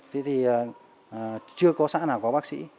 thế thì chưa có xã nào có bác sĩ